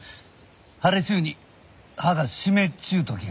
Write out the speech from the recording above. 晴れちゅうに葉が湿っちゅう時がある。